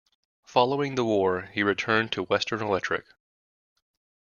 Following the war he returned to Western Electric.